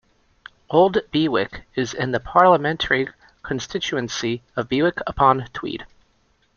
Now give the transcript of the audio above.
Old Bewick is in the parliamentary constituency of Berwick-upon-Tweed.